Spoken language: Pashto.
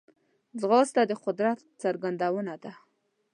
ځغاسته د قدرت څرګندونه ده